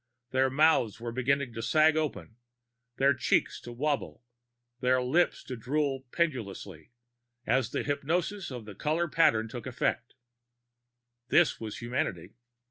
Their mouths were beginning to sag open, their cheeks to wobble, their lips to droop pendulously, as the hypnosis of the color patterns took effect. This was humanity.